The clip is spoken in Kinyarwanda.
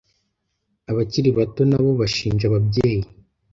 Abakiri bato na bo bashinja ababyeyi